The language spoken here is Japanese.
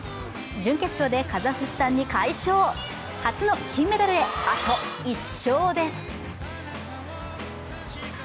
準決勝でカザフスタンに快勝初の金メダルへ、あと１勝です。